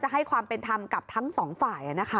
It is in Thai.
ให้ความเป็นธรรมกับทั้งสองฝ่าย